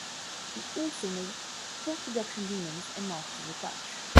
He also made pre-production demos and masters with Touch.